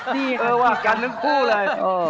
กรีดกันทั้งคู่เลย